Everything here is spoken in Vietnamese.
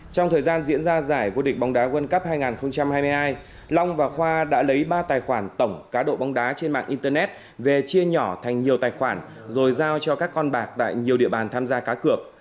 trong thời gian diễn ra giải vô địch bóng đá world cup hai nghìn hai mươi hai long và khoa đã lấy ba tài khoản tổng cá độ bóng đá trên mạng internet về chia nhỏ thành nhiều tài khoản rồi giao cho các con bạc tại nhiều địa bàn tham gia cá cược